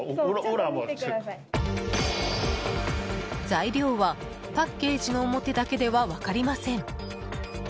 材料はパッケージの表だけでは分かりません。